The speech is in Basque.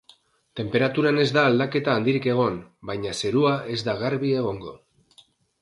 Tenperaturan ez da aldaketa handirik egongo, baina zerua ez da garbi egongo.